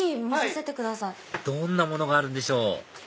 どんなものがあるんでしょう？